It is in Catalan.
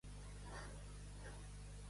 Un gavadal de.